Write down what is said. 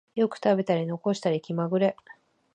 よく食べたり残したり気まぐれ